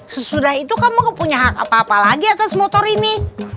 sesudah itu kamu gak punya hak apa apa lagi atas motor ini